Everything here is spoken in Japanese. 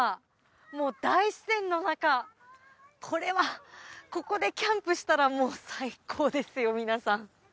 もう大自然の中これは、ここでキャンプしたらもう最高ですよ、皆さん。